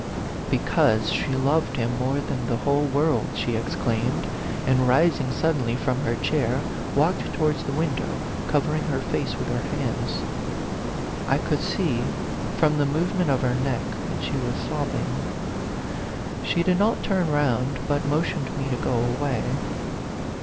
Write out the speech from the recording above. "Because she loved him more than the whole world !" she exclaimed, and rising suddenly from her chair, walked towards the window, covering her face with her hands. I could see, from the movement of her neck, that she was sobbing. She did not turn round, but motioned me to go away.